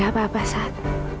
gak apa apa sam